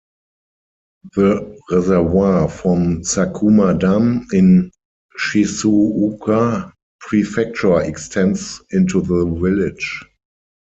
The reservoir from Sakuma Dam in Shizuoka Prefecture extends into the village.